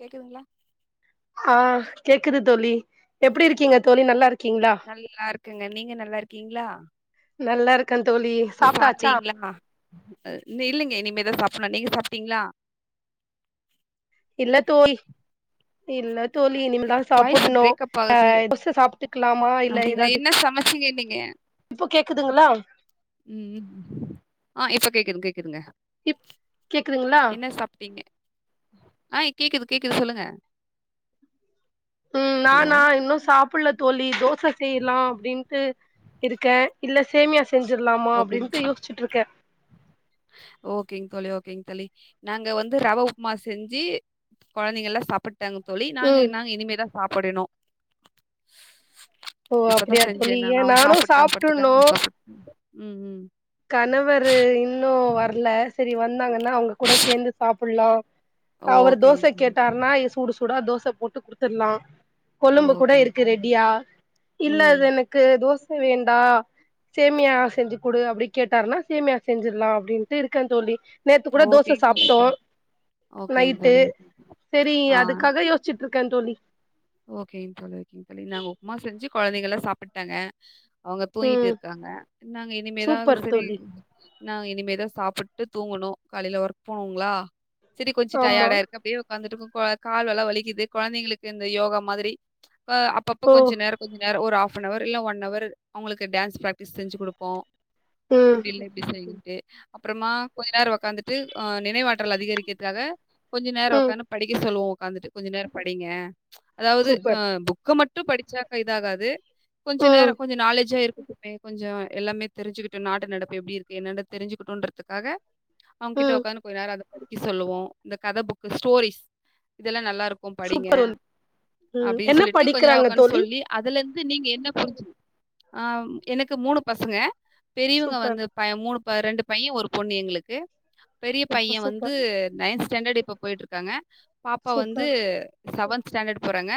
கேக்குதுங்ளா ஆ கேக்குது தோழி எப்டி இருக்கீங்க தோழி நல்லா இருக்கீங்களா நல்லாருக்கேங்க நீங்க நல்லா இருக்கீங்ளா நல்லா இருக்கே தோழி சாப்ட்டாச்சா சாப்ட்டீங்களா அ இன்னு இல்லைங்க இனிமேதா சாப்பணு நீங்க சாப்ட்டீங்ளா இல்ல தோய் ழி இல்ல தோழி இனிமேல்தா வாய்ஸ் சாப்புணு பிரேக்கப் ஆ ஆகுது தோச சாப்ட்டுக்கலாமா இல்ல எதாவ்து புரியலேங்க இப்போ கேக்குதுங்ளா ம் ஆ இப்போ கேக்குதுங்க கேட்குதுங்க இப் கேக்குதுங்களா என்ன சாப்ட்டீங்க ஆ கேக்குது கேக்குது சொல்லுங்க ம் ஹலோ நானா இன்னு சாப் ப்புள்ள தோழி தோச செய்னுனு அப்படின்ட்டு இருக்க இல்ல சேமியா செஞ்ஜிரலாமா அப்டின்னுட்டு யோச்சுட்டு இருக்க ஓகேங்க தோழி ஓகேங்க தோழி நாங்க வந்து ரவ உப்புமா செஞ்சு கொழந்தைங்க எல்லா சாப்பிட்டுட்டாங்க தோழி நாங்க ம் நாங்க இனிமேதா சாப்பிடனு ஓ இப்பதா அப்டியா செஞ்சே தோழி ஏ நானா அவுங்க நானு சாப்பிட்டாங்க சாப்ட்டுட்ணு படுத்துட்டாங்க சாப்பின் ம் ம் கணவர்ரு இன்னு வரல செரி வந்தாங்கன்னா அவுங்க கூட சேந்து சாப்பில்லா அவர் ஓகேங் தோச கேட்டாருன்னா சுடு சு சூடா தோச போட்டு குடுத்துடலா கொழும்பு கூட ஓகேங் இருக்கு ரெடியா இல்ல ம் அது எனக்கு க்கு தோச வேண்டா சேமியா செஞ்சு குடு அப்டி கேட்டாருன்னா சேமியா செஞ்சிடலா அப்டின்னுட்டு இருக்க தோழி நேத்து கூட தோச ஓகேங் தோழி சாப்பிட்டோ ஓகேங் நைட்டு தோழி. செரி ஆ அதுக்காக யோ ச்ட்டு இர்க்க தோழி ஓகேங் தோழி ஓகேங் தோழி நாங்க உப்புமா செஞ்சு கொழந்தைகள்ல்லா சாப்பிட்டாங்க அவுங்க தூங்கிட்டு ம் இருக்காங்க நாங்க இனிமேதா சூப்பர் செரி தோழி நா இனிமேதா சாப்பிட்டு தூங்குணு காலையில ஒர்க் போனுங்களா செரி கொஞ்சோ ஆமா டயடா ஆ இருக்கு அப்டியே உக்காந்துட்டு கால் எல்லா வலிக்குது கொழந்தைங்களுக்கு இந்த யோகா மாதிரி அப்பப்ப ஓ கொஞ்சோ நேரோ கொஞ்சோ நேரோ ஒரு ஹாஃப் நெவர் இல்ல ஒன் அவர் அவங்களுக்கு டான்ஸ் பிராக்டிஸ் செஞ்சு கொடுப்போ ம் அப்டி இல் இசைவுட்டு அப்றோமா கொஞ்ச நேரம் உக்காந்துட்டு அ நினைவாற்றல் அதிகரிக்கிறதுக்காக கொஞ்ச நேரோ ம் உக்காது படிக்க சொல்லுவோ உக்காந்துட்டு கொஞ்சோ நேரோ படிங்க அதாவுது சூப்பர் புக்க மட்டு புக் படிச்சா கை இதாகாது கொஞ்சோ நேரோ ம் கொஞ்சோ நாலேஜ் இருக்கட்டுமே கொஞ்சோ எல்லாமே தெரிஞ்சுக்கிட்டு நாடு நடப்பு எப்டி இருக்கு என்னென்டு தெரிஞ்சுக்கிட்டுன்றதுக்காக அவுங்ககிட்ட ம் உக்காந்து கொஞ்சோ நேரோ அத படிக்க சொல்லுவோ இந்த கதை புக் ஸ்டோரிஸ் இதெல்லா நல்லா இருக் படிங்க சூப்பர் தோழி ம் அப்டின்னு என்ன சொல்லிட்டு கொஞ்சோ நாள் படிக்கிறாங்க உக்கானு தோழி சொல்லி அதுல இருந்து நீங்க என்ன புரிச் ஆ எனக்கு மூணு பசங்க பெரியவங்க சூப்பர் வந்து பய மூணு ப ரெண்டு பைய ஒரு பொண்ணு எங்களுக்கு பெரிய சூப்பர் பையன் வந்து சூப்பர் நைன்த ஸ்டாண்டர்ட் இப்ப போயிட்டு இருக்காங்க பாப்பா வந்து சூப்பர் செவன்த் ஸ்டாண்டர்ட் போறாங்க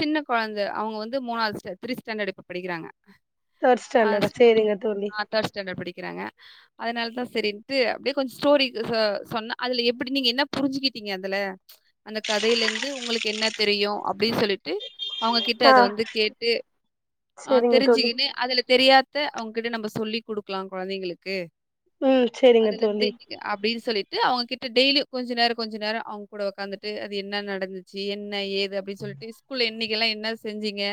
சின்ன கொழந்தை அவுங்க வந்து மூணாவது த்ரீ ஸ்டாண்டர்ட் இப்ப படிக்கிறாங்க தேர்ட் ஸ்டாண்டர்டா சரிங்க தோழி பஸ்டாண்டர்ட்டிக்கிறாங்க அதனாலதா சரின்ட்டு அப்டியே கொஞ்சோ ஸ்டோரி சொன்ன அதுல எப்டி நீங்க என்ன புரிஞ்சுக்கிட்டீங்க அதுல அந்த கதையில இருந்து உங்களுக்கு என்ன தெரியு அப்டின்னு சொல்லிட்டு அவுங்ககிட்ட ஆ அத வந்து கேட்டு அ செரிங்க தோழி தெரிஞ்சுக்கின்னு அதுல தெரியாத த அவுங்ககிட்ட நம்ம சொல்லி் குடுக்கலா கொழந்தைங்களுக்கு ம் செரிங்க அதுல தோழி அப்டின்னு சொல்லிட்டு அவேங்ககிட்ட டெய்லி கொஞ்சோ நேரோ கொஞ்சோ நேரோ அவுங்க கிட்ட உக்காந்துட்டு அது என்ன நடந்துச்சு என் என்ன ஏது அப்டின்னு சொல்லிட்டு ஸ்கூல் எண்ணிக்கெல்லா என்ன செஞ்சீங்க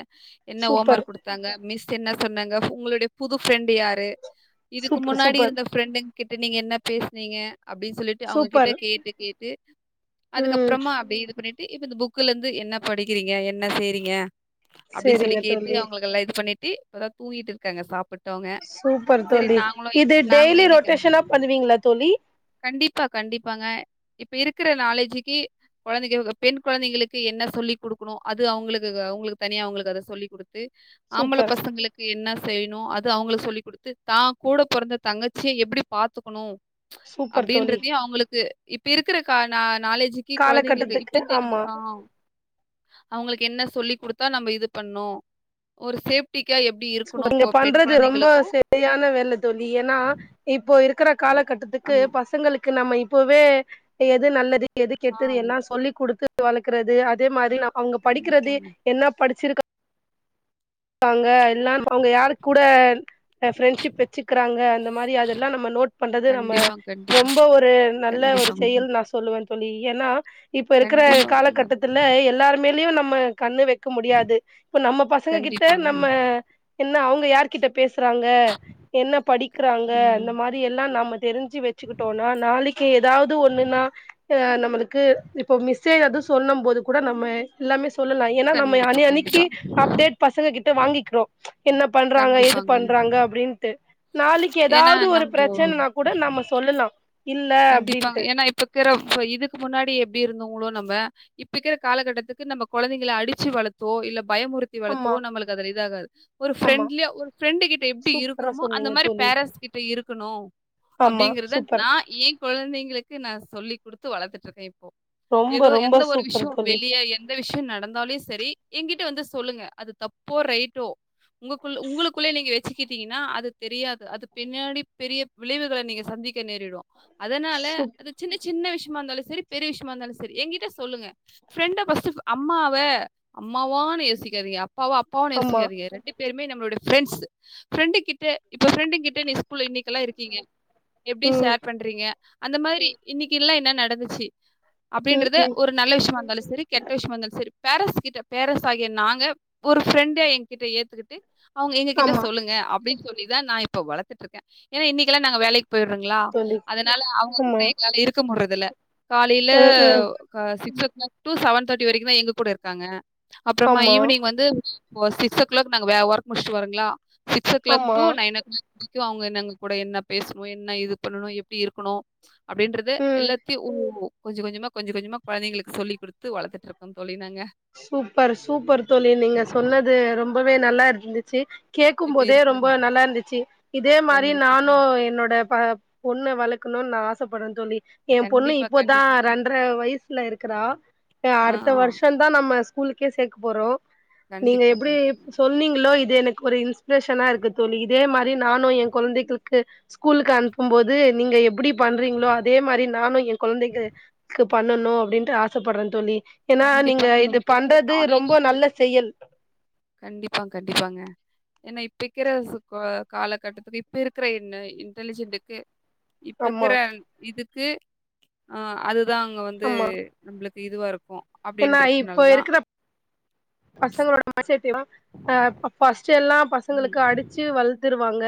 என்ன ஹோம் சூப்பர் ஒர்க் குடுத் ங்க மிஸ் என்ன சொன்னாங்க உங்களுடைய புது ஃப்ரெண்டு் யாரு இதுக்கு சூப்பர் முன்னாடி சூப்பர் இருந்த ஃப்ரெண்டு கிட்ட நீங்க என்ன பேசனீங்க அப்டின்னு சொல்லிட்டு அவங்ககிட்ட சூப்பர் கேட்டு கேட்டு ம் அதுக்கப்றோமா அப்டி இது பண்ணிட்டு இப்ப இந்த புக்ல இருந்து என்ன படிக்கிறீங்க என்ன செய்றீங்க அப்டின்னு சொல்லி செரிங்க கேட்டு தோழி அவுங்களுக்கு எல்லா இது பண்ணிட்டு இப்பதா தூங்கிட்டு இருக்காங்க சாப்பிட்டு சூப்பர் தோழி இது நாங்களும் டெய்லி இன்னைக்கு ரொட்டேஷனா பண்ணுவீங்ளா தோழி கண்டிப்பா கண்டிப்பாங்க இப்ப இருக்கற நாலேஜுக்கு கொழந்தைங்க பெண் கொழந்தைங்களுக்கு என்ன சொல்லி் குடுக்குணு அது அவுங்களுக்கு அவுங்களுக்கு தனியா அவுங்களுக்கு அத சொல்லிக் குடுத்து ஆம்பள சூப்பர் பசங்களுக்கு என்ன செய்ன்னு அது அவுங்களுக்கு சொல்லி் குடுத்து தா கூட பொறந்த தங்கச்சிய எப்டி பாத்துக்குணு சூப்பர் தோழி அப்டின்றதையு அவங்களுக்கு இப்ப இருக்கிற கா நா நாலேஜு கொழந்தைகளுக்கு காலகட்டத்துக்கு இப்பந்தே நம்ம ஆமா ஆ அவங்களுக்கு என்ன சொல்லி் குடுத்தா நம்ம இது பண்ணு ஒரு சேப்டிக்கா எ அப்டி இருக்கணு சூப்பர் நீங்க பெண் பண்றது ரொம்ப கொழந்தைகளுக்கு சரியான வேல தோழி ஏன்னா இப்போ இருக்குற காலகட்டத்துக்கு ஆமா. பசங்களுக்கு நம்ம இப்பவே எது நல்லது எது ஆ கெட்டுது எல்லா சொல்லி் கொடுத்துட்டு வளக்குறது அ இதே மாரி நா அவ்ங்க படிக்கிறது கண்டிப்பாங்க. என்ன படிச்சிருக்கா காங்க எல்லாம் அவ்ங்க யாரு கூட ஃப்ரெண்ட்ஷிப் வச்சக்கிறாங்க அந்த மாரி அதெல்லா நம்ம நோட் பண்றது நம்ம கண்டிப்பா, கண்டிப்பா, ரொம்ப ஒரு நல்ல ஒரு கண்டிப்பாங்க. செயல் நா சொல்லுவேன் சொல்லி ஏன்னா இப்ப இருக்குற கண்டிப்பாங்க காலகட்டத்துல எல்லாருமேலேயு நம்ம கண்ணு வக் க முடியாது இப்ப நம்ம பசங்க கிட்ட கண்டிப்பாங்க நம்ம என்ன அவுங்க யாருக்கு கிட்ட பேசுறாங்க என்ன படிக்கிறாங்க இந்த ம் மாரி இது எல்லா நாம தெரிஞ்சு வச்சுக்கிட்டோம்னா நாளைக்கு ஏதாவது ஒண்ணுன்னா நம்மளுக்கு இப்போ மிஸ்ஸே ஏது சொல்லும் போது கூட நம்ம எல்லாமே சொல்லலா ஏன்னா நம்ம கண்டிப்பா அனி அன்க்கி கண்டிப்பா அப்டேட் பசங்க கிட்ட வாங்கிக்கிறோ என்ன பண்றாங்க ஏது கண்டிப்பாங்க பண்றாங்க அப்டின்ட்டு நாளைக்கு ஏன்னா ஏதாது ஒரு நம்போ பிரச்சனைனா கூட நம்ம சொல்லலா இல்ல கண்டிப்பாங்க அப்டின்ட்டு [unintelligible] இப்ப இதுக்கு முன்னாடி எப்டி இருந்தோங்களோ நம்ம இப்பஇருக்கிற காலகட்டத்துக்கு நம்ம கொழந்தைங்கள அடிச்சு வளத்தோ இல்ல பயமுறுத்தி வளத்தோ ஆமா நம்மளுக்கு அதுல இது ஆகாது ஒரு ஆமா ஃப்ரெண்ட்லியா ஒரு ஃப்ரெண்டு கிட்ட எப்டி சூப்பரா இருக்குறோமோ அந்த சொன்னீங்க மாரி தோழி பேரன்ட்ஸ் கிட்ட இருக்குணு ஆமா அப்டிங்கறத சூப்பர் நா எ கொழந்தைங்களுக்கு நா சொல்லி் குடுத்து வளத்துட்டு இருக்கே இப்போ ரொம்ப ஏதோ ரொம்ப எந்த ஒரு சூப்பர் விஷ்யோ தோழி வெளிய எ எந்த விஷ்யோ நடந்தாலு செரி எகிட்ட வந்து சொல்லுங்க அது தப்போ ரைட்டோ உங்கக்ககுள்ள உங்களுக்குள்ள நீங்க வச்சுக்கிட்டீங்கன்னா அது தெரியாது அது பின்னாடி பெரிய விளைவுகள நீங்க சந்திக்க நேரிடு அதனால சூப் அது சின்ன சின்ன விஷயமா இருந்தாலு சரி பெரிய விஷயமா இருந்தாலு சரி எங்கிட்ட சொல்லுங்க ஃப்ரெண்ட பஸ்சிவ் அம்மாவ அம்மாவான்னு யோசிக்காதீங்க அப்பாவ அப்பாவானு ஆமா யோசிக்காதீக ரெண்டு பேருமே நம்மளோட பிரண்ட்ஸ் பிரண்டு கிட்ட இப்ப பிரெண்டு கிட்ட நீ ஸ்கூல் இன்னைக்குல்லா இருக்கீங்க எப்படி ம் ஷேர் பண்றீங்க அந்த மாதிரி இன்னைக்குல்லா என்ன நடந்துச்சு ம் அப்டின்றத ம் ஒரு நல்ல விஷயமா இருந்தாலு செரி கெட்ட விஷயமா இருந்தாலு செரி பேரன்ஸ் கிட்ட பேரன்ஸ் ஆகிய நாங்க ஒரு ஃப்ரெண்டா எங்கிட்ட ஏத்துக்கிட்டு அவங்க எங்க கிட்ட ஆமா சொல்லுங்க அப்டின்னு சொல்லிதா நா இப்ப வளத்துட்டு இருக்கே ஏன்னா இன்னைக்குல்லா நாங்க வேலைக்கு போயிடுருங்களா தோழி அதனால அவங்க கூட ஆமா எங்களால இருக்க முடறது இல்ல காலயில ம் ம் க six o'clock to seven thirty வரைக்கு தா எங்க கூட இருக்காங்க அப்புறமா ஆமா ஈவினிங் வந்து இப்போ சிக்ஸ் ஓ கிளாக் நாங்க வே ஒர்க் முடிச்சுட்டுவருங்களா சிக்ஸ் ஓ கிளாக் ஆமா டு நைன் ஓ கிளாக் அவங்க எங்க கூட என்ன பேசுணு என்ன இது பண்ணணு எப்டி இருக்கணு அப்டின்றது ம் எல்லாத்தயு ஓ கொஞ்ச கொஞ்சமா கொஞ்ச கொஞ்சமா கொழந்தைகளுக்கு சொல்லி குடுத்து வளத்துட்டு இருக்கோ தோழிங் நாங்க சூப்பர் சூப்பர் தோழி நீங்க சொன்னது ரொம்பவே நல்லா இருந்துச்சு கேக்கும் இப்ப போதே ரொம்ப இருக்கிறது நல்லா இருந்துச்சு இதே மாரி கண்டிப்பா நானு என்னோட ப பொண்ண வளக்கணுன்னு நா ஆசப்பட்றே தோழி என் பொண்ணு கண்டிப்பா இப்பதா கண்டிப்பாங்க. ரெண்டர வயசுல இருக்கிறா ஆ அடுத்த வருஷ ந்தான் நம்ம ஸ்கூலுக்கே சேக்க போறோம் நீங்க கண்டிப்பா எப்டி கண்டிப்பாங்க. சொன்னீங்களோ இது எனக்கு ஒரு இன்ஸ் பிரேஷனா இருக்கு தோழி இதே மாரி நானும் என் கொழந்தைகளுக்கு ஸ்கூலுக்கு அனுப்பும் போது நீங்க எப்டி பண்றீங்களோ அதே மாரி நானும் என் கொழந்தைக்கு க்கு பண்ணணும் அப்டின்ட்டு ஆசப்படறன் தோழி ஏனா கண்டிப்பா. நீங்க ஏன்னா இது இப்ப இருக்கிற பண்றது ரொம்ப நாலேட்ஜுக்கு நல்ல செயல் கண்டிப்பா கண்டிப்பாங்க ஏன்னா இப்பகிற சுக்கோ காலகட்டத்துக்கு இப்ப இருக்கிற என்ன இன்டெலிஜென்டுக்கு ஆமா இப்பக்கிற இதுக்கு ஆ அதுதா அங்க வந்து நம்பளுக்கு இதுவா இருக்கும் ஏனா இப்போ இருக்கற பசங்களோட மேசேத்தீவா ஆ ஃபர்ஸ்ட்டெல்லா ம் பசங்களுக்கு அடிச்சி வள்த்துருவாங்க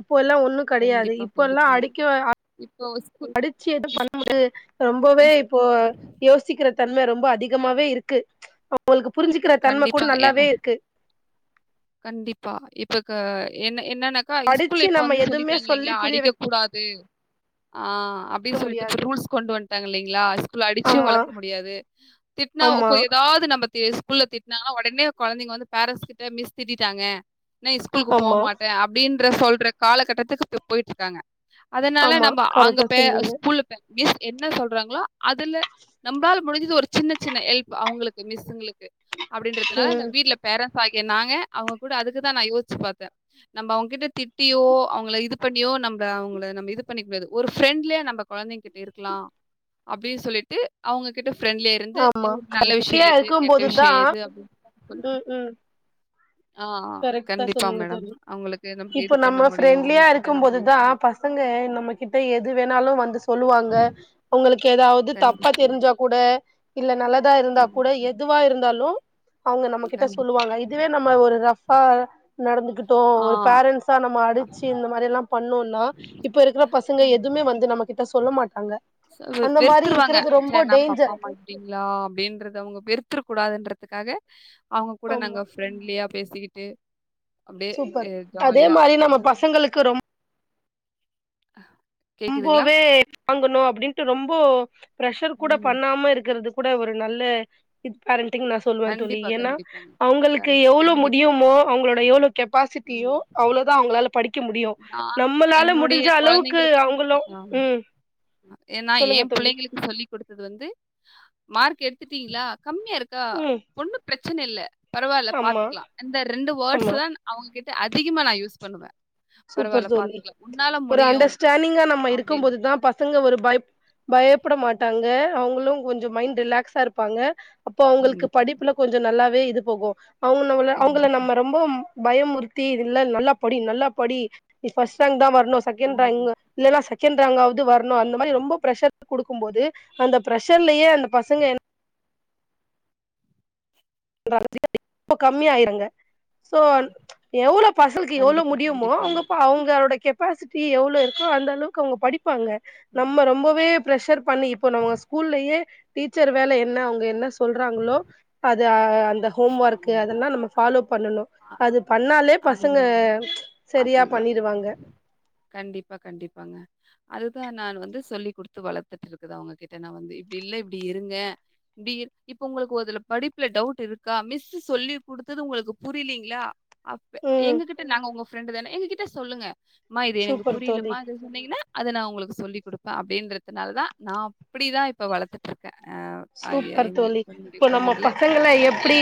அப்போ எல்லாம் ஒன்னும் கெடையாது கண்டிப்பா இப்போ எல்லாம் கண்டிப்பாங்க அடிக்கவ இப்போ ஸ்கூல் அடிச்சி எது இஸ் பண்ணமோது ரொம்பவே இஸ் இப்போ யோசி யோசிக்கிற தன்ம ரொம்ப அதிகமாவே இருக்கு அவுங்களுக்கு புரிஞ்சிக்கிற தன்ம கூட கண்டிப்பா ஏன்னா நல்லாவே இருக்கு கண்டிப்பா இப்ப க என்ன என்னன்ன கா படிச்சு ஸ்கூல்ல இப்ப நம்ம வந்து எதுவுமே சொல்லிட்டாங்க சொல்லி இல்லலைங்களா புரிய அடிக்க வைக்க கூடாது ஆ அப்டின் சொல்லிட்டு இப்ப முடியாது ரூல்ஸ் கொண்டு வந்ட்டாங்க இல்லைங்களா ஸ்கூல்ல அடிச்சி ஆமா வளக்க முடியாது திட்னா ஆமா கு எதாவது நம்ப தே ஸ்கூல்ல திட்டனாங்கனா ஒடனே கொழந்தைங்க வந்து பேரன்ஸ் கிட்ட மிஸ் திட்டிட்டாங்க இன்னே ஸ்கூலுக்கு போ ஆமா மாட்டன் அப்டின்ற சொல்ற காலகட்டத்துக்கு இப்ப போயிட்டு இருக்காங்க அதனால ஆமா நம்ப அங்க கரெக்டா பே சொன்னீங்க ஸ்கூல்ல பே மிஸ் என்ன சொல்றாங்களோ அதுல நம்பளால முடிஞ்சது ஒரு சின்ன சின்ன ஹெல்ப் அவங்களுக்கு மிஸ்ஸுங்களுக்கு அப்டின்றதுனால இந்த ம் வீட்ல பேரன்ட்ஸ் ஆகிய நாங்க அவுங்க கூட அதுக்குதா நா யோசிச்சி பாத்தன் நம்ப அவங்ககிட்ட திட்டியோ அவங்கள இது பண்ணியோ நம்ம அவங்கள நம்ம இது பண்ணிக்க கூடாது ஒரு ஃப்ரெண்ட்லியா நம்ப கொழந்தைங்கிட் டிருக்கலாம் அப்டி சொல்லிட்டு அவுங்ககிட்ட பிரெண்ட்லியா டுருந்து ஆமா ஔ நல்ல விஷியம் ஃப்ரீயா எது இருக்கும் கெட்ட போதுதா விஷியம் எது அப்டின் சொல்லி ம் ம் ஆ கரெக்டா கண்டிப்பா சொன்னீங்க மேடம் தோழி அவுங்களுக்கு நமக்கு இப்ப இது பண்ண நம்ம முடியும் ஃப்ரெண்ட்லியா அவங்ககிட்ட இருக்கும் நம்ப இது போதுதா பசங்க நம்மகிட்ட எது வேணாலும் வந்து சொல்லுவாங்க அவுங்களுக்கு எதாவது தப்பா கண்டிப்பா தெரிஞ்சா கூட இல்ல நல்லதா இருந்தா கூட கண்டிப்பா எதுவா இருந்தாலும் அவுங்க நம்மகிட்ட கண்டிப்பா. சொல்லுவாங்க இ இதுவே நம்ம ஒரு ரஃபா நடந்துகிட் டோ ஆ ஒரு பேரண்ட்ஸா நம்ம அடிச்சி இந்த மாரி எல்லாம் பண்ணோனா இப்ப இருக்கிற பசங்க எதுமே வந்து நம்ம கிட்ட சொல்ல மாட்டாங்க ச அந்த மாரி வெறுத்துருவாங்க இருக்கிறது ச்ச ரொம்ப நம்ம அப்பா டேஞ்சர் அம்மா இப்டிங்களா அப்டின்றத அவுங்க வெருத்துற கூடாதுன்றதுக்காக அவங்க கூட ஆமா நாங்க ப்ரெண்ட்லியா பேசிக்கிட்டு அப்டியே சூப்பர் எ அதே ஜாலியா மாரி நம்ம பசங்களுக்கு ரொம் கேக்குதுங்களா ம்போவே வாங்கணும் அப்டின்ட்டு ரொம்போ பிர்ஷர் கூட ம் பண்ணாம இருக்கிறது கூட ஒரு நல்ல இது பேரண்டிங் நா சொல்லுவன் தோழி கண்டிப்பா ஏன்னா கண்டிப்பாங்க அவுங்களுக்கு கண்டி எவ்ளோ கண்டிப்பா முடியுமோ அவுங்களோட எவ்ளோ கெப்பாசிட்டியோ ம் அவ்ளோதா அவங்களால படிக்க முடியும் நா நம்மளால என்னுடைய முடிஞ்ச அளவுக்கு கொழந்தைங்களுக்கு அவுங் கலோ ஆமா ம் ஏன்னா சொல்லுங்க என் தோழி பிள்ளைங்களுக்கு சொல்லி் கொடுத்தது வந்து மார்க் எடுத்துட்டீங்களா கம்மியா இரு தா ம் ஒண்ணு ப்ரச்சனை இல்ல பரவாயில்ல ஆமா பாத்துக்கலா இந்த ரெண்டு வேர்ட்ஸ் ஆமா தா அவுங்ககிட்ட அதிகமா நா யூஸ் பண்ணுவே சூப்பர் பரவால்ல தோழி பாத்துக்கலாம். உன்னால ஒரு முடியும் அண்டர்ஸ்டாண்டிங்கா நம்ம இருக்கும் அப்படின்னு போது தா ப பசங்க ஒரு பயப் பயப்புட மாட்டாங்க அவுங்களு கொஞ்சோ மைண்ட் ரிலாக்ஸா இருப்பாங்க அப்போ அவுங்களுக்கு கண்டிப்பா, படிப்புல கொஞ்ச நல்லாவே இது போகு அவுங்க நம்மள அவுங்கல கண்டிப்பா. நம்ம ரொம்போவும் பயம்முறுத்தி இல்ல நல்லா படி நல்லா படி நீ பர்ஸ்ட் ரேங்க் தா வர்ணு செகண்ட் ம். ரேங்க்கு இல்லன்னா செகண்ட் ராங்க்காவது வர்ணு அந்த மாரி ரொம்ப ப்ரஷர் குடுக்கும் போது அந்த பிர்ஷர்லயே அந்த பசங்க என்ன [inaudible] ரொம்ப கம்மியா ஆயிர்றாங்க சோ ஆ எவ்ளோ பசங்களுக்கு எவ்ளோ கண்டிப்பா, முடியுமோ கண்டிப்பாங்க. அவுங்க பா அவுங்களோட கெப் கெப்பாசிட்டி எவ்ளோ இருக்கோ அந்த அளவுக்கு அவுங்க படிப்பாங்க ம். நம்ம ரொம்பவே ப்ரெஷர் பண்ணி இப்போ நம்ம ஸ்கூல்லயே டீச்சர் வேலை என்ன அவுங்க என்ன சொல்றாங்களோ இத ஆ அந்த ஹோம் ஒர்க்கு ஆமா. அதெல்லா நம்ம ஃபாலோ பண்ணனு அ அது பண்ணாலே பசங்க அதுதாங்க. செரியா அதுதான். பண்ணிருவாங்க கண்டிப்பா கண்டிப்பாங்க அதுதா நான் வந்து சொல்லி குடுத்து வளர்த்துட்டு இருக்குதா அவுங்ககிட்ட நா வந்து இப்டி இல்ல இப்டி இருங்க டீர் இப்ப உங்களுக்கு ஒரு இதுல படிப்புல டவுட் இருக் அக்கா மிஸ்சு சொல்லி குடுத்தது உங்களுக்கு புரியலீங்ளா அப்ப ம் எங்ககிட்ட நாங்க உங்க ப்ரெண்ட்டு தான எங்ககிட்ட சொல்லுங்க அம்மா இது எனக்கு சூப்பர் தோழி புரியலம்மா இது சொன்னீங்கன்னா அது நா உங்களுக்கு சொல்லிக் குடுப்பே அப்டின்றதுனாலதா நா அப்டிதா இப்ப வளர்த்துட் துட்ருக்கே ஆ ஆகிய சூப்பர் எங்க தோழி பள்ளியினுடைய இப்போ நம்ம கொழந்தைகள பசங்கள எப்டி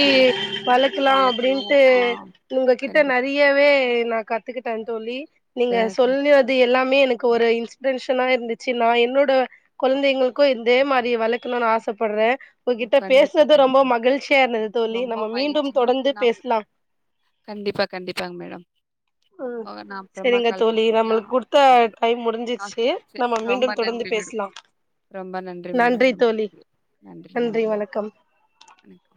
வளர்க்கலா அப்டின்ட்டு ஆ உங்க கிட்ட கண்டிப்பா, நெறைய யவே நா கத்துக்கிட்டே தோழி நீங்க கண்டிப்பா. சொல்வது எல்லாமே எனக்கு ஒரு இன்ஸ் ப்ரன்ஷனா இருந்துச்சு நா என்னோட கொழந்தைங்களுக்கு இதே மாரி வளர்க்கணுன்னு ஆசைப்பட்றே உங்கிட்ட கண்டிப்பா, பேஸ்னது ரொம்ப கண்டிப்பா. மகிழ்ச்சியா இருந்தது தோழி ரொம்ப நம்ம மீண்டும் மகிழ்ச்சிங்க. ரொம் தொடர்ந்து நான் பேசலாம் கண்டிப்பா கண்டிப்பாங்க மேடம் அ ஓ நான் அப்புறமா செரிங்க கால் தோழி பண்ணுறீங்களா நம்மளுக்கு குடுத்த ஓகே மேடம் டைம் டாஸ்க் முடிஞ்சிர்ச்சு முடிச்சு நம்ம ரொம்ப மீண்டும் தொடர்ந்து நன்றி மேடம் பேஸ்லாம் ரொம்ப நன்றி மேடம் ரொம்ப நன்றி நன்றி வணக்கம் எனக்கு